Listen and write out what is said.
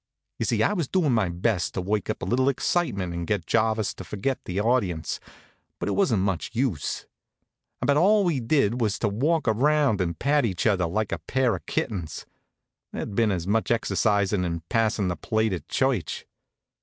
You see, I was doin' my best to work up a little excitement and get Jarvis to forget the audience; but it wasn't much use. About all we did was to walk around and pat each other like a pair of kittens. There'd been as much exercise in passin' the plate at church.